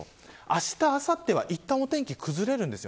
あしたあさってはいったん、お天気崩れるんです。